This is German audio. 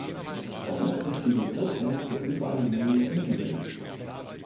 Damit ist sie die drittlängste U-Bahn-Linie in Wien.